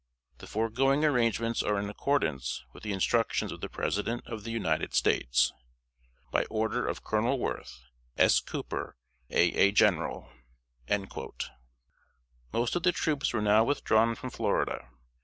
"The foregoing arrangements are in accordance with the instructions of the President of the United States. "By order of Col. WORTH: S. COOPER, A. A. General." Most of the troops were now withdrawn from Florida.